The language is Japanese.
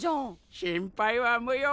心配は無用。